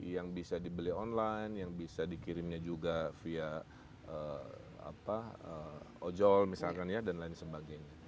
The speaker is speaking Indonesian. yang bisa dibeli online yang bisa dikirimnya juga via ojol misalkan ya dan lain sebagainya